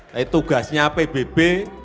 tapi tugasnya pbb